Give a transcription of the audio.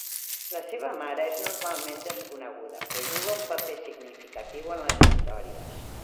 La seva mare és normalment desconeguda, però juga un paper significatiu en les històries.